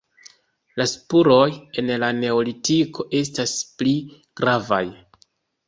La spuroj el la neolitiko estas pli gravaj.